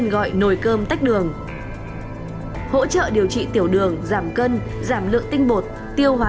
những chiếc nồi cơm tách đường được bán với giá từ một triệu tám đến ba triệu rưỡi